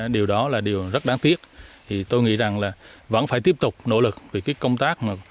điều đó là điều rất đáng tiếc thì tôi nghĩ rằng là vẫn phải tiếp tục nỗ lực vì cái công tác